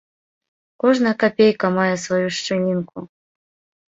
Кожная капейка мае сваю шчылінку.